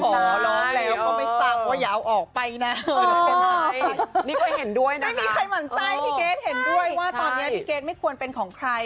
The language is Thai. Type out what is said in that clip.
ขอร้องแล้วก็ไม่ฟังว่าอย่าเอาออกไปนะคนไทยนี่เคยเห็นด้วยนะไม่มีใครหมั่นไส้พี่เกดเห็นด้วยว่าตอนนี้พี่เกรทไม่ควรเป็นของใคร